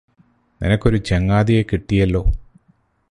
നിനക്കൊരു ചങ്ങാതിയെ കിട്ടിയല്ലോ